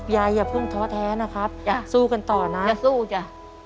ยายอย่าเพิ่งท้อแท้นะครับสู้กันต่อนะฮะอย่าสู้จ้ะ